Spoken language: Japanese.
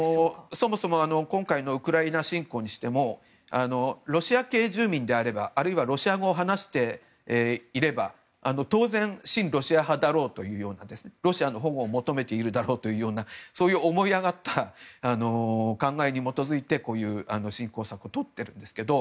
そもそも今回のウクライナ侵攻にしてもロシア系住民であればあるいはロシア語を話していれば当然親ロシア派だろうというロシアの保護を求めているだろうという思いあがった考えに基づいてこういう侵攻策をとってるんですけど